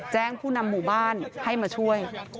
ผู้นำหมู่บ้านให้มาช่วย